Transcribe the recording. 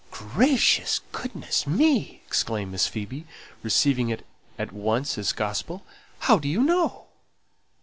"Gracious goodness me!" exclaimed Miss Phoebe, receiving it at once as gospel. "How do you know?"